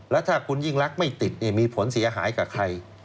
แล้วถ้าคุณยิ่งรักไม่ติดมีผลเสียหายกับใคร